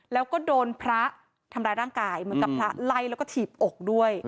แล้วก็โดนพระทำร้ายร่างกายเหมือนกับพระไล่แล้วก็ถีบอกด้วย